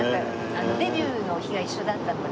デビューの日が一緒だったので。